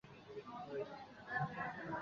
周家镇的天然气供应同时停止。